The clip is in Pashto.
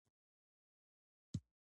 دوی د خامو موادو په ترلاسه کولو کې سیالي کوي